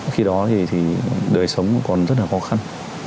khi đó thì đời sống của con rất là khó khăn